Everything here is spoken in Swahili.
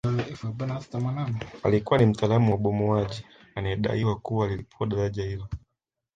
Alikuwa ni mtaalamu wa ubomoaji anayedaiwa kuwa alilipua daraja hilo